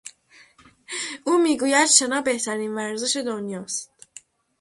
او میگوید شنا بهترین ورزش دنیا است.